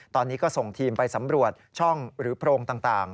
ตอนนี้ก็ส่งทีมไปสำรวจช่องหรือโพรงต่าง